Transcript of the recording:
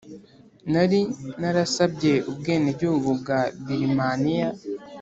nari narasabye ubwenegihugu bwa Birimaniya